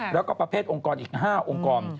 แล้วก็ประเภทองค์กรอีก๕องค์กร